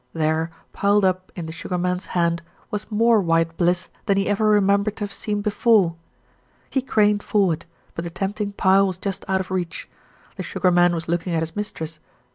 There, piled up in the Sugar Man's hand was more white bliss than he ever remembered to have seen before. He craned forward; but the tempting pile was just out of reach. The Sugar Man was looking at his mistress.